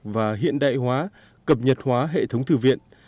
và hiện đại hóa cập nhật hóa hệ thống thư viện